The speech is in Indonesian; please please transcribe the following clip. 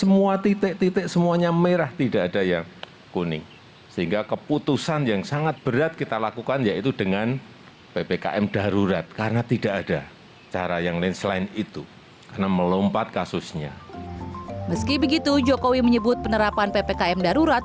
meski begitu jokowi menyebut penerapan ppkm darurat